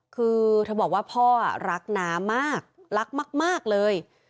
คือเธอบอกว่าพ่อรักน้ามากรักมากเลย